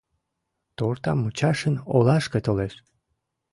Тортамучашин олашке толеш.